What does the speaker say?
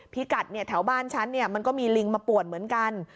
พี่กัดเนี่ยแถวบ้านฉันเนี่ยมันก็มีลิงมาปวดเหมือนกัน